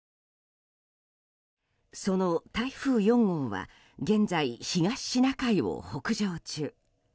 その台風４号は現在、東シナ海を北上中。